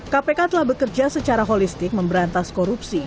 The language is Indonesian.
kpk telah bekerja secara holistik memberantas korupsi